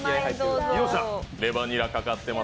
レバニラかかってます。